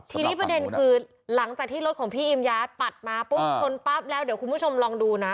ทีนี้ประเด็นคือหลังจากที่รถของพี่อิมยาสปัดมาปุ๊บชนปั๊บแล้วเดี๋ยวคุณผู้ชมลองดูนะ